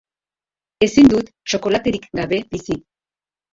Ezin dut txokolaterik gabe bizi.